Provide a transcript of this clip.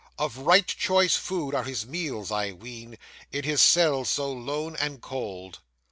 Of right choice food are his meals, I ween, In his cell so lone and cold.